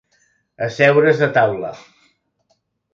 Asseure's a taula.